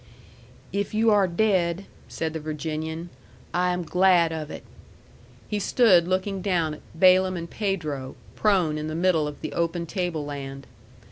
"If you are dead," said the Virginian, "I am glad of it." He stood looking down at Balaam and Pedro, prone in the middle of the open tableland.